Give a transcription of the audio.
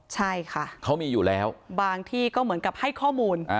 ใช่ค่ะเขามีอยู่แล้วบางที่ก็เหมือนกับให้ข้อมูล